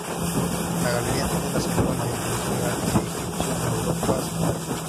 La galería tiene la segunda mayor colección de arte egipcio en Europa central.